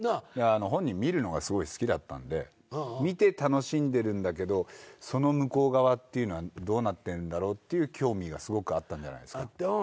本人見るのがすごい好きだったんで見て楽しんでるんだけどその向こう側っていうのはどうなってんだろうっていう興味がすごくあったんじゃないですか？